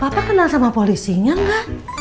papa kenal sama polisinya ga